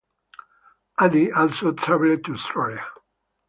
Adie also traveled to Australia.